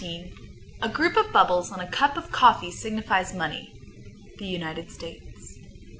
A group of bubbles on a cup of coffee signifies money. _United States.